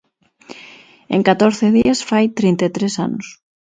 En catorce días fai trinta e tres anos.